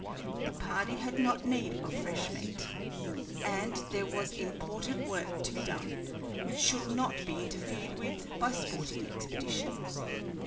The party had no need of fresh meat, and there was important work to be done which should not be interfered with by sporting expeditions.